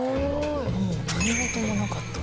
何事もなかった。